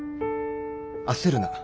焦るな。